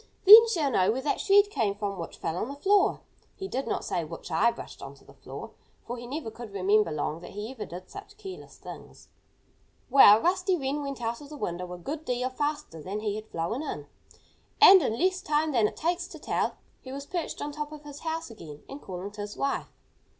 "Then she'll know where that shred came from which fell on the floor." He did not say "which I brushed onto the floor," for he never could remember long that he ever did such careless things. Well, Rusty Wren went out of the window a good deal faster than he had flown in. And, in less time than it takes to tell it, he was perched on top of his house again and calling to his wife.